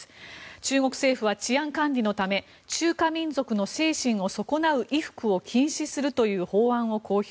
中国政府は治安管理のため中華民族の精神を損なう衣服を禁止するという法案を公表。